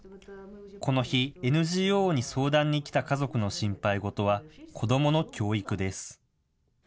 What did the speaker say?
この日、ＮＧＯに相談に来た家族の心配事は、子どもの教育です。